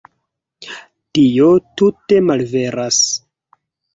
Tio tute malveras.